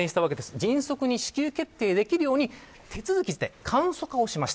迅速に支給決定できるように手続きして簡素化をしました。